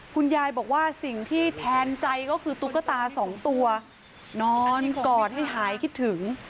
คุณยายบอกว่าสิ่งที่แทนใจก็คือตุ๊กตาสองตัวนอนกอดให้หายคิดถึง